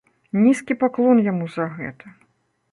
Нізкі паклон яму за гэта!